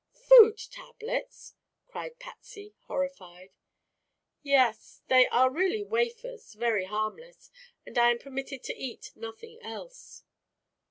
"Food tablets!" cried Patsy, horrified. "Yes. They are really wafers very harmless and I am permitted to eat nothing else."